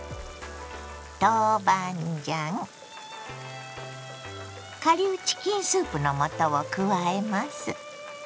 豆板醤顆粒チキンスープの素を加えます。